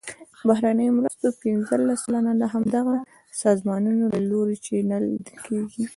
د بهرنیو مرستو پنځلس سلنه د همدغه سازمانونو له لوري چینل کیږي.